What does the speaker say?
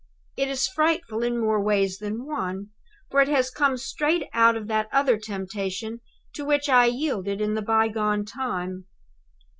It is frightful in more ways than one; for it has come straight out of that other temptation to which I yielded in the by gone time.